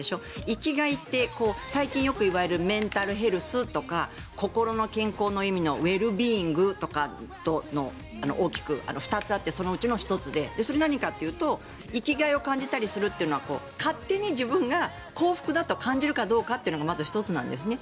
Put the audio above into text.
生きがいって、最近よく言われるメンタルヘルスとか心の健康の意味のウェルビーイングとか大きく２つあってそのうちの１つでそれは何かというと生きがいを感じたりするというのは勝手に自分が幸福だと感じるかどうかがまず、１つなんですね。